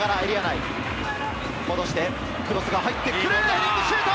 ヘディングシュート！